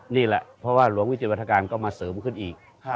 นี่แหละเพราะว่าหลวงวิจิตวัฒกาลก็มาเสริมขึ้นอีก